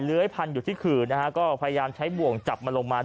เหลื้อยพันธุ์อยู่ที่ขือหน้าฮะก็พยายามใช้บ่วงจับมันลงมา